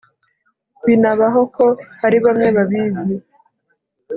binabaho ko hari bamwe babizi